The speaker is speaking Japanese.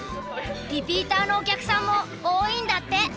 リピーターのお客さんも多いんだって。